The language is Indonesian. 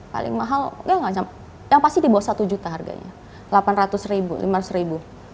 paling mahal yang pasti di bawah satu juta harganya delapan ratus ribu lima ratus ribu